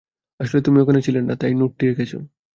আসলে তুমি ওখানে ছিলে না, তাই নোটটি রেখেছ।